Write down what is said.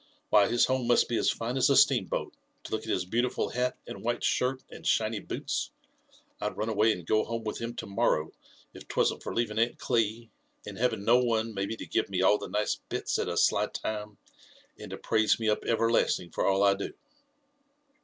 Why, his home must bo as fine as a steam boat, to look at his beautiful hat and white shirt, and shiny boots. I'd run away and go home with him to morrow, iC 'twasn't for leaving Aunt Cli, and having no one, maybe, to give me all the nice bits at a sly time, and to praise me up everlasting for all I do."